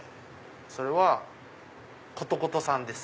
それはコトコトさんです。